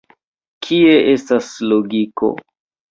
Kie estas logiko?